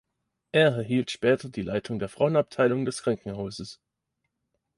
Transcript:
Er erhielt später die Leitung der Frauenabteilung des Krankenhauses.